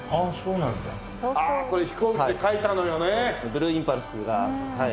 ブルーインパルスがはい。